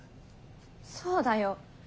そうだよ。